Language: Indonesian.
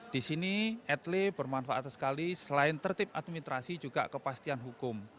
di sini etle bermanfaat sekali selain tertib administrasi juga kepastian hukum